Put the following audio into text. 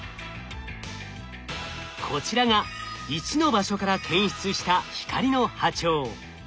こちらが１の場所から検出した光の波長。